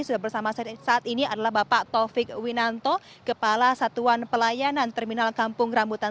sudah bersama saya saat ini adalah bapak taufik winanto kepala satuan pelayanan terminal kampung rambutan